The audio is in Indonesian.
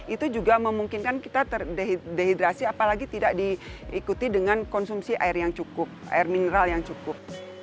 itu juga memungkinkan kita dehidrasi apalagi tidak diikuti dengan konsumsi air yang cukup air mineral yang cukup